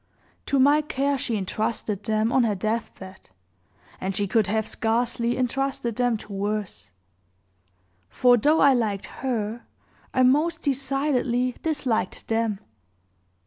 To my care she intrusted them on her deathbed, and she could have scarcely intrusted them to worse; for, though I liked her, I most decidedly disliked them.